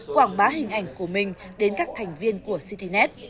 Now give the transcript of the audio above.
quảng bá hình ảnh của mình đến các thành viên của citynet